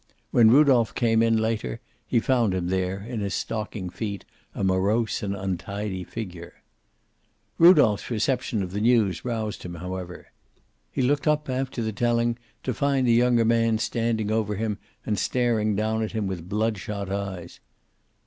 When Rudolph came in, later, he found him there, in his stocking feet, a morose and untidy figure. Rudolph's reception of the news roused him, however. He looked up, after the telling, to find the younger man standing over him and staring down at him with blood shot eyes.